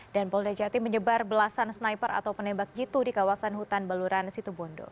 dan polrejati menyebar belasan sniper atau penembak jitu di kawasan hutan baluran situ bondo